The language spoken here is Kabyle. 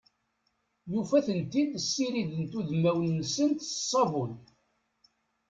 Yufa-tent-id ssirident udmawen-nsent s ssabun.